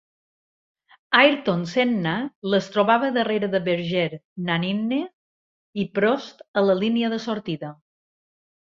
Ayrton Senna les trobava darrere de Berger, Nannini i Prost a la línia de sortida.